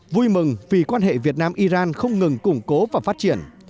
vui mừng vì quan hệ việt nam iran không ngừng củng cố và phát triển